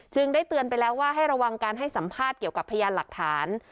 ได้เตือนไปแล้วว่าให้ระวังการให้สัมภาษณ์เกี่ยวกับพยานหลักฐาน